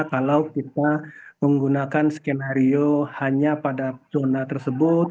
kalau kita menggunakan skenario hanya pada zona tersebut